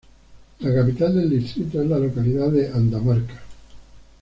La capital del distrito es la localidad de Andamarca.